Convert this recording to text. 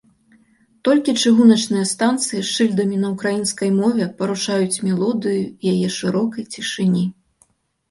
Толькі чыгуначныя станцыі з шыльдамі на ўкраінскай мове парушаюць мелодыю яе шырокай цішыні.